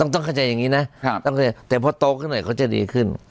ต้องเข้าใจอย่างนี้นะตั้งใจแต่พอโตขึ้นหน่อยเขาจะดีขึ้น